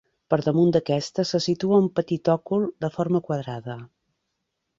Per damunt d'aquesta, se situa un petit òcul de forma quadrada.